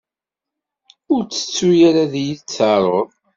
Ur ttettu ara ad iyi-d-tarud.